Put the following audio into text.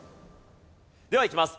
ではいきます。